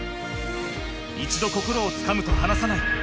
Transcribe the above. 一度心をつかむと離さない